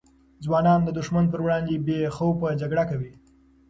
ځوانان د دښمن پر وړاندې بې خوف جګړه کوي.